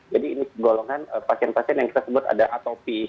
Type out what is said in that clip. jadi ini golongan pasien pasien yang kita sebut ada atopi